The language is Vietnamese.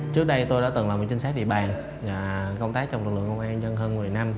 trước đây tôi đã từng làm những trinh sát địa bàn công tác trong lực lượng công an dân hơn một mươi năm